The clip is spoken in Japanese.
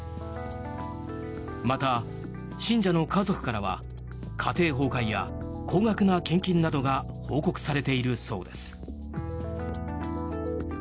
また、信者の家族からは家庭崩壊や高額な献金などが報告されているそうです。